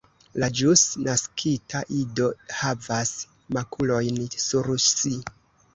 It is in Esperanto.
La ĵus naskita ido havas makulojn sur si.